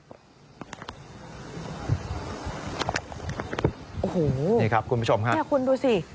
โอ้โฮแม่คุณดูสินี่ครับคุณผู้ชมครับ